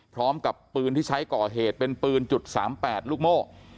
พร้อมกับปืนที่ใช้ก่อเหตุเป็นปืนจุด๓๘ลูกโม่